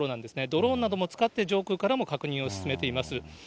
ドローンなども使って、上空からも確認を進めています。